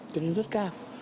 cho nên rất cao